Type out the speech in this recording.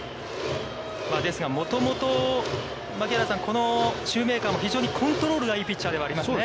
ですが、もともと槙原さん、このシューメーカーも非常にコントロールがいいピッチャーではありますね。